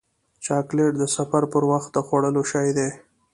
چاکلېټ د سفر پر وخت د خوړلو شی دی.